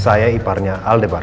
saya iparnya aldebar